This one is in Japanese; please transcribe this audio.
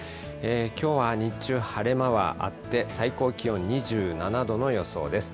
きょうは日中、晴れ間はあって最高気温２７度の予想です。